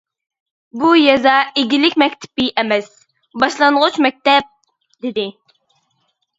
بۇ يېزا ئىگىلىك مەكتىپى ئەمەس، باشلانغۇچ مەكتەپ، -دېدى.